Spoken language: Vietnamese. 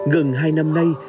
gần hai năm nay